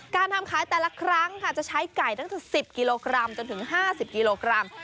การทำขายแต่ละครั้งค่ะจะใช้ไก่ตั้งแต่๑๐กิโลกรัมจนถึง๕๐กิโลกรัม